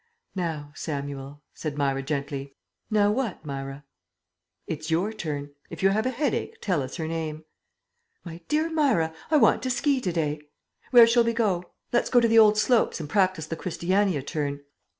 "Now, Samuel," said Myra gently. "Now what, Myra?" "It's your turn. If you have a headache, tell us her name." "My dear Myra, I want to ski to day. Where shall we go? Let's go to the old slopes and practise the Christiania Turn."